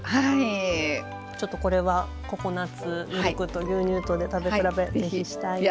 ちょっとこれはココナツミルクと牛乳とで食べ比べしたいです。